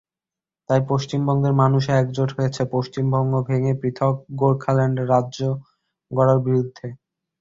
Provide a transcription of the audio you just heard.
তাই পশ্চিমবঙ্গের মানুষও একজোট হয়েছে পশ্চিমবঙ্গ ভেঙে পৃথক গোর্খাল্যান্ড রাজ্য গড়ার বিরুদ্ধে।